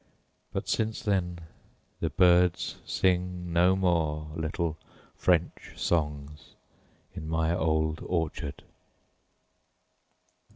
But since then the birds sing no more little French songs in my old orchard.